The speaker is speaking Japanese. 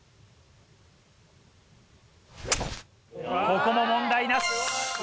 ここも問題なし。